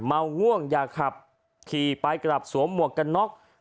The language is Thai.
เมาง่วงยากขับขี่ไปกลับสวมมวกกับน็อก